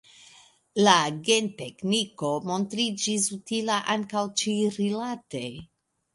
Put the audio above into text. La gentekniko montriĝis utila ankaŭ ĉi-rilate.